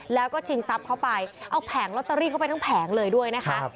แล้วก็ชิงทรัพย์เขาไปเอาแผงลอตเตอรี่เข้าไปทั้งแผงเลยด้วยนะคะ